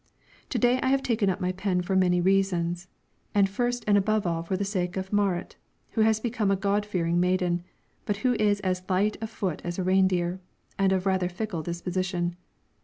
To day I have taken up my pen for many reasons, and first and above all for the sake of Marit, who has become a God fearing maiden, but who is as light of foot as a reindeer, and of rather a fickle disposition.